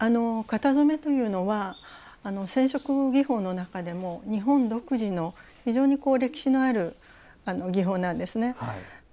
型染めというのは染色技法の中でも日本独自の非常に歴史のある技法なんですね。